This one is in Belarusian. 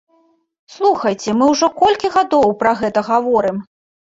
Слухайце, мы ўжо колькі гадоў пра гэта гаворым?